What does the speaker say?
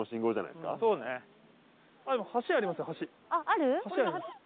でも橋ありますよ橋。